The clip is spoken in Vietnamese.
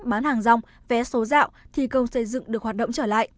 bán hàng rong vé số dạo thi công xây dựng được hoạt động trở lại